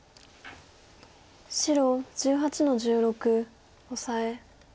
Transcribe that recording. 白１８の十六オサエ。